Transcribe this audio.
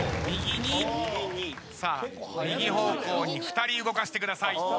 右方向に２人動かしてください。